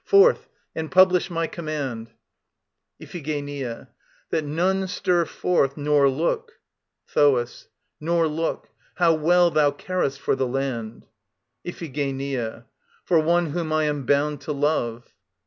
Forth, and publish my command ... IPHIGENIA. That none stir forth nor look ... THOAS. Nor look. How well thou carest for the land! IPHIGENIA. For one whom I am bound to love.